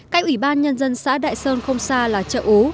cách ủy ban nhân dân xã đại sơn không xa là chợ ố